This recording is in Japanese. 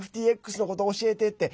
ＦＴＸのこと教えてって。